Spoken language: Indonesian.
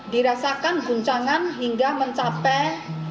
dirasakan guncangan hingga mencapai